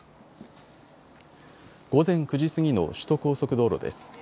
午前９時過ぎの首都高速道路です。